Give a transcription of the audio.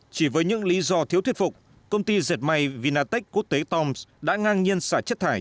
chỉ với những lý do thiếu thuyết phục công ty dệt may vinatech quốc tế toms đã ngang nhiên xả chất thải